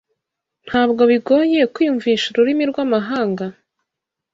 Ntabwo bigoye kwiyumvisha ururimi rwamahanga?